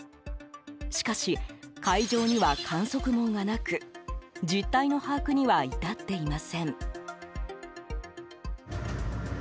しかし、海上には観測網がなく実態の把握には至っていません。